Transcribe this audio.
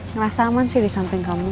ngerasa aman sih disamping kamu